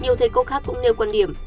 nhiều thầy cô khác cũng nêu quan điểm